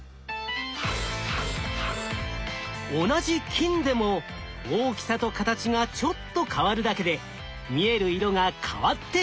同じ金でも大きさと形がちょっと変わるだけで見える色が変わってしまう。